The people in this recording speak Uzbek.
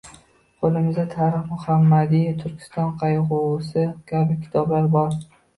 Qo‘limizda “Tarixi Muhammadiy”, “Turkiston qayg‘usi” kabi kitoblar bor.